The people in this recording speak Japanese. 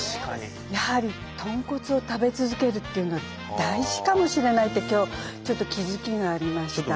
やはり豚骨を食べ続けるっていうのは大事かもしれないって今日ちょっと気付きがありました。